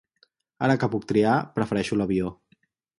Ara que puc triar, prefereixo l'avió.